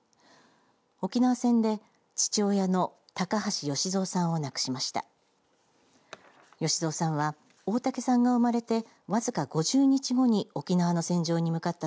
沖縄戦で父親の高橋由蔵さんを亡くしました。